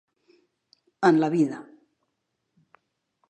En la vida.